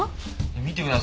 見てくださいよ。